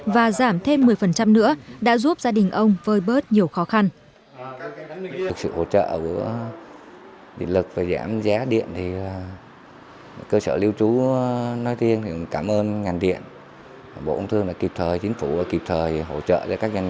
và giảm thêm một mươi nữa đã giúp gia đình ông vơi bớt nhiều khó khăn